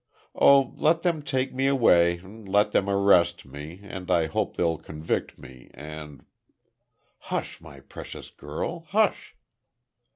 Oh, let them take me away, and let them arrest me and I hope they'll convict me—and—" "Hush, my precious girl, hush."